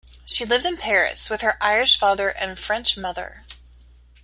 She lived in Paris with her Irish father and French mother.